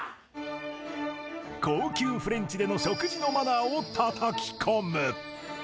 高級フレンチでの食事のマナーをたたき込む